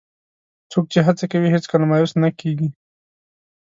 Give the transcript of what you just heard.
څوک چې هڅه کوي، هیڅکله مایوس نه کېږي.